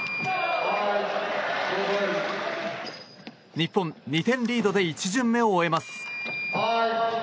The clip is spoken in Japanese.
日本、２点リードで１巡目を終えます。